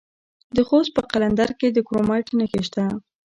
د خوست په قلندر کې د کرومایټ نښې شته.